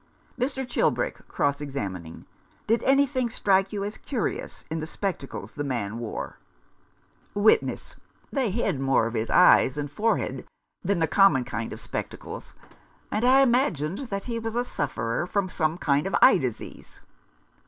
Mr. Chilbrick, cross examining :" Did anything strike you as curious in the spectacles the man wore ?" Witness :" They hid more of his eyes and fore head than the common kind of spectacles ; and I imagined that he was a sufferer from some kind of eye disease."